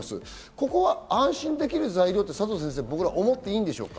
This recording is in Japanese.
ここは安心できる材料と思っていいんですか？